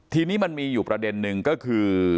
ทีนี้มันมีอยู่ประเด็นนึงก็คือ